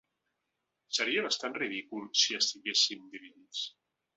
Seria bastant ridícul si estiguéssim dividits.